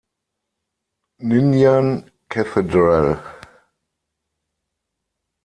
Ninian Cathedral“.